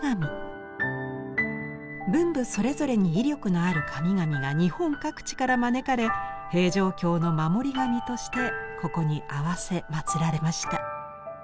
文武それぞれに威力のある神々が日本各地から招かれ平城京の守り神としてここに合わせまつられました。